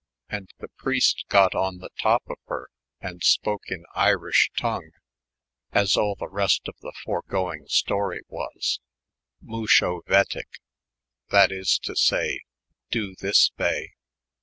& the preist got on the top of her, and Bpok in Irish tongue (as all the rest of the foi^[o]ing storie was) MoasHO vetich, that is to say, doe this vay.